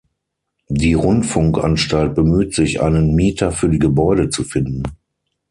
Die Rundfunkanstalt bemüht sich, einen Mieter für die Gebäude zu finden.